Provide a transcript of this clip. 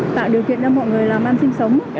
tạo điều kiện cho mọi người làm ăn sinh sống